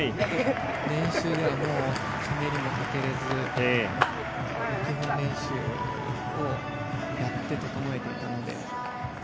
練習ではひねりもかけれず練習をやって整えてたので。